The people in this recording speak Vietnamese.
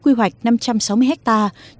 quy hoạch năm trăm sáu mươi hectare